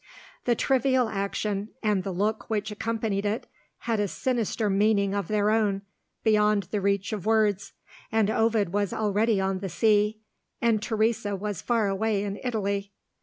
The trivial action, and the look which accompanied it, had a sinister meaning of their own, beyond the reach of words. And Ovid was already on the sea. And Teresa was far away in Italy.